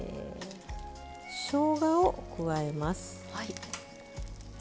しょうがを加えます。